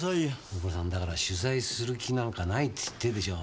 大洞さんだから取材する気なんかないっつってるでしょ。